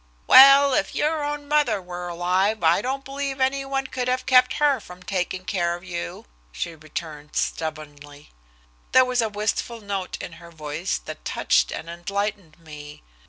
"Well, if your own mother were alive I don't believe any one could have kept her from taking care of you," she returned stubbornly. There was a wistful note in her voice that touched and enlightened me.